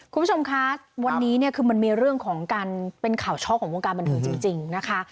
คุณผู้ชมคะวันนี้เนี่ยคือมันมีเรื่องของการเป็นข่าวช็อกของวงการบันเทิงจริงนะคะ